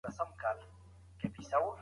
ايا ته د خپل هېواد سياسي تاريخ ته پام کوې؟